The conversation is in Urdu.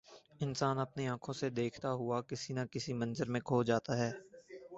انسان اپنی آنکھوں سے دیکھتا ہوا کسی نہ کسی منظر میں کھو جاتا ہے۔